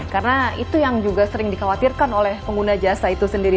karena itu yang juga sering dikhawatirkan oleh pengguna jasa itu sendiri